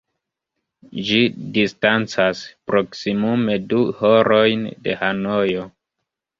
Ĝi distancas proksimume du horojn de Hanojo.